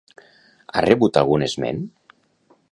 Ha rebut algun esment?